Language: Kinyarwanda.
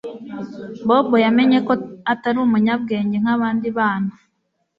Bobo yamenye ko atari umunyabwenge nkabandi bana